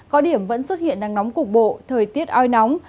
có điểm vẫn xuất hiện nắng nóng cục bộ thời tiết oi nóng